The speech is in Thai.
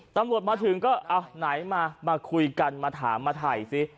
ตำรวจมาถึงก็เอาไหนมามาคุยกันมาถามมาถ่ายซิ